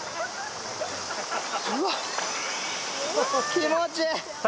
気持ちいい！